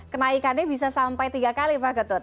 kenaikannya bisa sampai tiga kali pak ketut